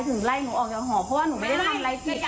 เพราะอะไรคะหนูทำอะไรผิดคะ